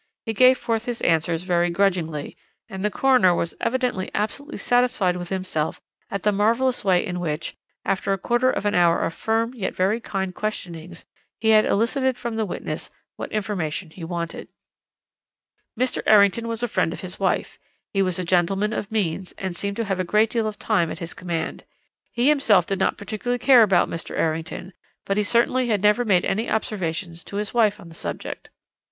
He gave forth his answers very grudgingly, and the coroner was evidently absolutely satisfied with himself at the marvellous way in which, after a quarter of an hour of firm yet very kind questionings, he had elicited from the witness what information he wanted. "Mr. Errington was a friend of his wife. He was a gentleman of means, and seemed to have a great deal of time at his command. He himself did not particularly care about Mr. Errington, but he certainly had never made any observations to his wife on the subject.